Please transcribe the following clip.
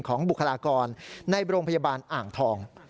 บุคลากรในโรงพยาบาลอ่างทอง